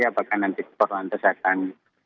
apakah nanti kakor lantas akan